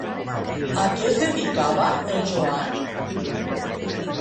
A què es dedicava el Joan?